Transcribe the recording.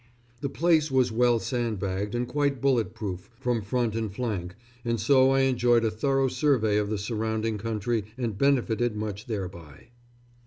The place was well sandbagged and quite bullet proof from front and flank, and so I enjoyed a thorough survey of the surrounding country and benefited much thereby....